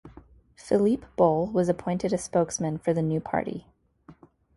Filipe Bole was appointed a spokesman for the new party.